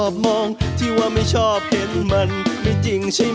ไปแล้วไปให้ใกล้